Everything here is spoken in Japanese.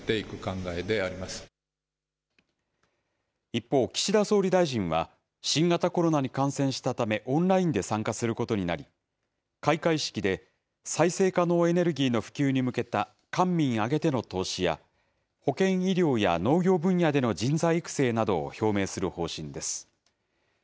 一方、岸田総理大臣は新型コロナに感染したため、オンラインで参加することになり、開会式で再生可能エネルギーの普及に向けた官民挙げての投資や、保健・医療や農業分野での人材育成などを表明する方針です。